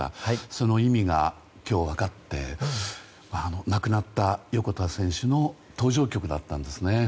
その意味が今日分かって亡くなった横田選手の登場曲だったんですね。